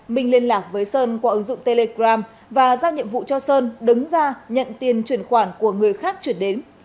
minh liên lạc với sơn qua ứng dụng telegram và giao nhiệm vụ cho sơn đứng ra nhận tiền chuyển khoản của người khác chuyển đến